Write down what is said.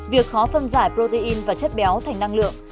việc khó phân giải protein và chất béo thành năng lượng